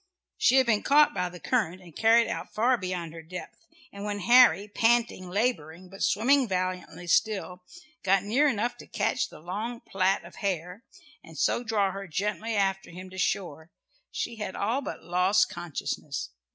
She had been caught by the current and carried out far beyond her depth, and when Harry, panting, labouring, but swimming valiantly still, got near enough to catch the long plait of hair, and so draw her gently after him to shore, she had all but lost consciousness.